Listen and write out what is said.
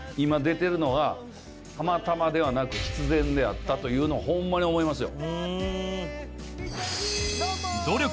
たまたまではなく必然であったというのホンマに思いますよ。